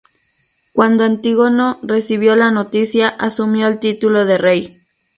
Cuando Antígono recibió la noticia, asumió el título de rey.